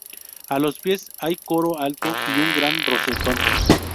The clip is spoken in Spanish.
A los pies, hay coro alto y un gran rosetón.